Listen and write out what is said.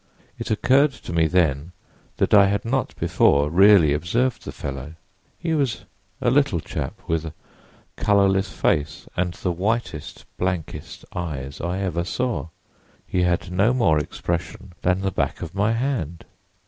It occurred to me then that I had not before really observed the fellow. He was a little chap, with a colorless face and the whitest, blankest eyes I ever saw. He had no more expression than the back of my hand.